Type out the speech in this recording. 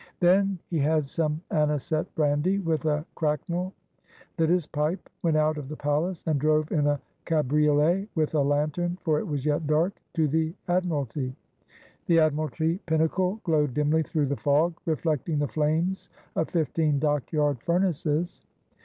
Then he had some anisette brandy, with a cracknel; lit his pipe ; went out of the palace, and drove in a cabri olet with a lantern (for it was yet dark) to the Admiralty. The Admiralty pinnacle glowed dimly through the fog, reflecting the flames of fifteen dockyard furnaces.